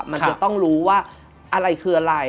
มันจะต้องรู้ว่าอะไรคืออะไร